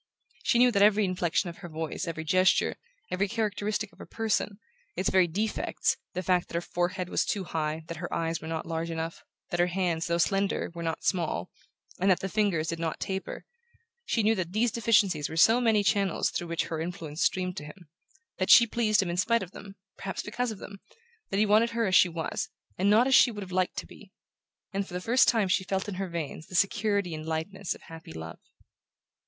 She knew that every inflexion of her voice, every gesture, every characteristic of her person its very defects, the fact that her forehead was too high, that her eyes were not large enough, that her hands, though slender, were not small, and that the fingers did not taper she knew that these deficiencies were so many channels through which her influence streamed to him; that she pleased him in spite of them, perhaps because of them; that he wanted her as she was, and not as she would have liked to be; and for the first time she felt in her veins the security and lightness of happy love.